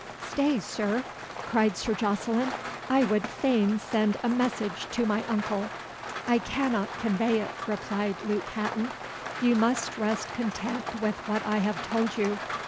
"Stay, Sir," cried Sir Jocelyn; "I would fain send a message to my uncle." "I cannot convey it," replied Luke Hatton. "You must rest content with what I have told you.